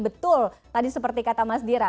betul tadi seperti kata mas dira